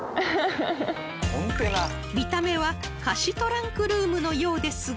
［見た目は貸しトランクルームのようですが］